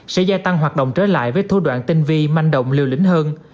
sẽ gia tăng hoạt động trở lại với thu đoạn tinh vi manh động liều lĩnh hơn